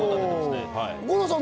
五郎さん